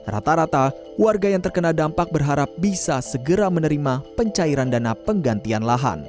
rata rata warga yang terkena dampak berharap bisa segera menerima pencairan dana penggantian lahan